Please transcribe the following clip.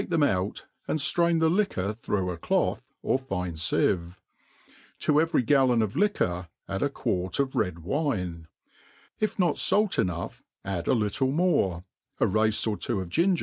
*7JJ,^ out, and ftrain the liquor through a cloth, ''^ W Ive T^ eve;y gallon of liquor add , quart of red ° ne If not fa t enough, add a little more a race or two of wine.